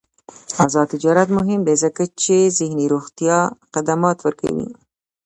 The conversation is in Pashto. آزاد تجارت مهم دی ځکه چې ذهني روغتیا خدمات ورکوي.